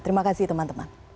terima kasih teman teman